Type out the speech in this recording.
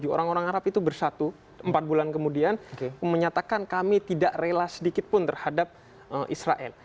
orang orang arab itu bersatu empat bulan kemudian menyatakan kami tidak rela sedikit pun terhadap israel